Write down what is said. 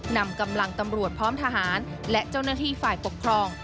นำกำลังตำรวจพร้อมทหารและเจ้าหน้าที่ฝ่ายปกครอง